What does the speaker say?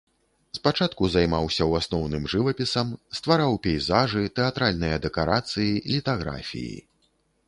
Спачатку займаўся ў асноўным жывапісам, ствараў пейзажы, тэатральныя дэкарацыі, літаграфіі.